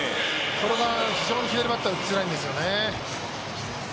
これが非常に左バッター打ちづらいんですよね。